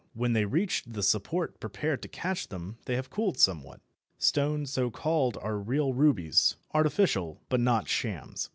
When they reach the support prepared to catch them they have cooled somewhat. Stones so called are real rubies artificial, but not shams.